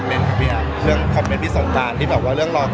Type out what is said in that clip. มคจะบอกว่าไงอ่ะคือแอปเกิดปิมายใช้ชีวิตปกติด้วยความสุขสงบแล้วมันก็